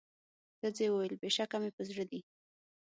ښځي وویل بېشکه مي په زړه دي